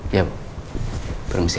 ya mbak permisi